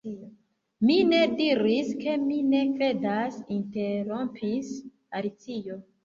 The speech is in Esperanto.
"Mi ne diris ke mi ne kredas," interrompis Alicio.